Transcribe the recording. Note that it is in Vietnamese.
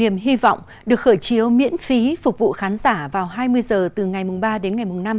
điện biên phủ niềm hy vọng được khởi chiếu miễn phí phục vụ khán giả vào hai mươi h từ ngày ba đến ngày năm